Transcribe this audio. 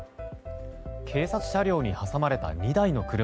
警察車両に挟まれた２台の車。